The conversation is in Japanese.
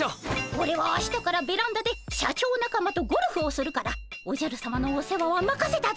オレは明日からベランダで社長仲間とゴルフをするからおじゃるさまのお世話はまかせたぞ。